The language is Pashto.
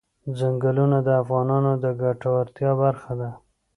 ځنګلونه د افغانانو د ګټورتیا برخه ده.